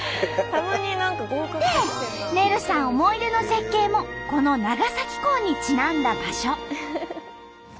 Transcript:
でねるさん思い出の絶景もこの長崎港にちなんだ場所。